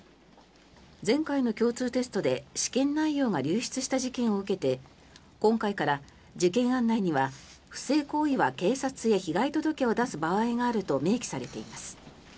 前回の共通テストで試験内容が流出した事件を受けて今回から受験案内には不正行為は警察へ被害届を出す場合があると明記されています。